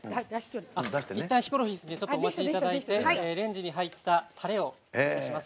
いったんヒコロヒーさんにはお待ちいただいてレンジに入ったタレを出します。